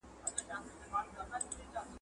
زه مخکي انځورونه رسم کړي وو